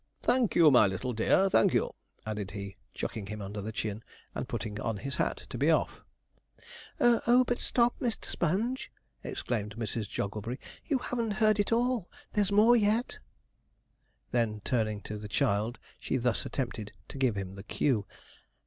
Thank you, my little dear, thank you,' added he, chucking him under the chin, and putting on his hat to be off. 'O, but stop, Mr. Sponge!' exclaimed Mrs. Jogglebury, 'you haven't heard it all there's more yet.' Then turning to the child, she thus attempted to give him the cue.